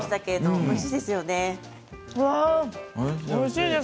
おいしいです。